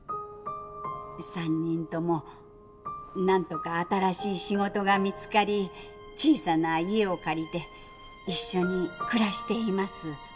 ３人ともなんとか新しい仕事が見つかり小さな家を借りて一緒に暮らしています。